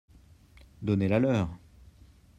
Donnez-la leur.